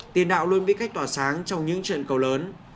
tiền đạo luôn bị cách tỏa sáng trong những trận cầu lớn